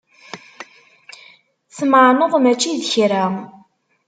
Tmeɛneḍ mačči d kra.